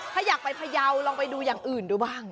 ถ้าอยากไปพยาวลองไปดูอย่างอื่นดูบ้าง